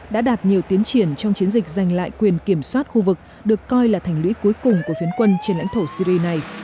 đã đạt nhiều tiến triển trong chiến dịch giành lại quyền kiểm soát khu vực được coi là thành lũy cuối cùng của phiến quân trên lãnh thổ syri này